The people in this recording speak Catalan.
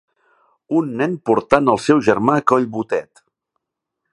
Un nen portant el seu germà a collbotet.